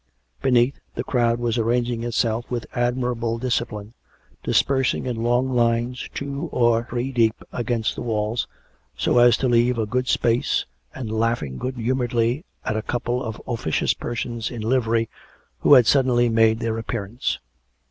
Beneath, the crowd was arranging itself with admirable discipline, dispersing in long lines two or three deep against the walls, so as to leave a good space, and laugh ing good humouredly at a couple of officious persons in livery who had suddenly made their appearance.